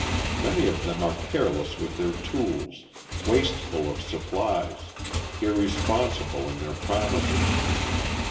Many of them are careless with their tools, wasteful of supplies, irresponsible in their promises.